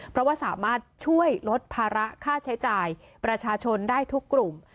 เพราะว่าสามารถช่วยลดภาระค่าใช้จ่ายประชาชนได้ทุกกลุ่ม